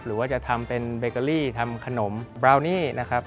หรือว่าจะทำเป็นเบเกอรี่ทำขนมบราวนี่นะครับ